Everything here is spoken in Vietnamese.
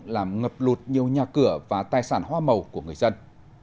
làm ngập lụt nhiều nhà cửa và tài sản hoa màu của người dân